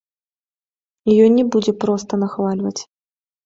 І ён не будзе проста нахвальваць.